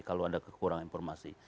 kalau ada kekurangan informasi